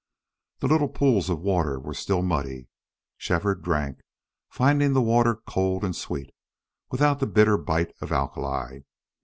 The little pools of water were still muddy. Shefford drank, finding the water cold and sweet, without the bitter bite of alkali.